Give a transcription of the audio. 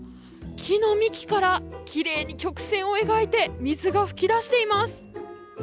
木の幹からきれいに曲線を描いて水が噴き出しています。